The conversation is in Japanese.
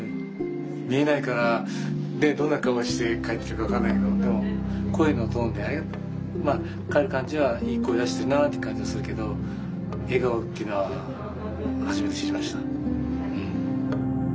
見えないからどんな顔して帰ってるか分かんないけどでも声のトーンでまあ帰る感じはいい声出してるなあって感じはするけど笑顔っていうのは初めて知りました。